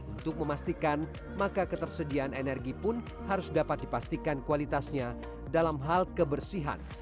untuk memastikan maka ketersediaan energi pun harus dapat dipastikan kualitasnya dalam hal kebersihan